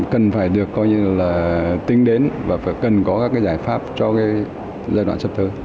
cần phải được coi như là tính đến và cần có các giải pháp cho giai đoạn sập thơ